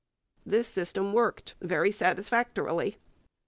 This system worked very satisfactorily.